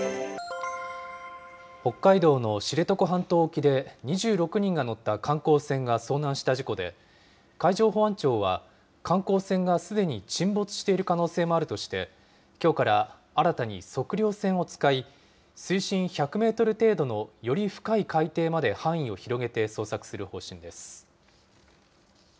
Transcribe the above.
北海道の知床半島沖で、２６人が乗った観光船が遭難した事故で、海上保安庁は、観光船がすでに沈没している可能性もあるとして、きょうから新たに測量船を使い、水深１００メートル程度のより深い海底まで範囲を広げて捜索する方針です。